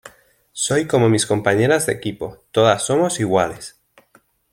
Soy como mis compañeras de equipo, todas somos iguales".